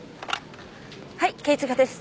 はい刑事課です。